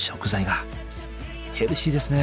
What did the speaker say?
ヘルシーですね。